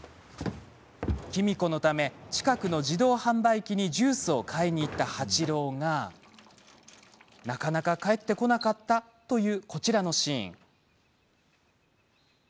喜美子のため近くの自動販売機にジュースを買いに行った八郎がなかなか帰ってこなかったというこちらのシーン。